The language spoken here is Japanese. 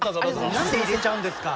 何で入れちゃうんですか。